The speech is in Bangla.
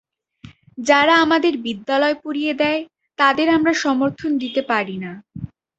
যারা আমাদের বিদ্যালয় পুড়িয়ে দেয়, তাদের আমরা সমর্থন দিতে পারি না।